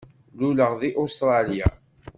Luleɣ deg Ustṛalya.